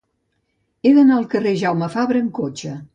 He d'anar al carrer de Jaume Fabre amb cotxe.